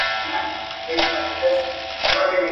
قاتلان او جاهلان یې سرداران دي.